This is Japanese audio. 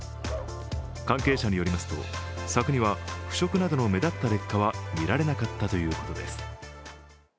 関係者によりますと、柵には腐食などの目立った劣化は見られなかったということです。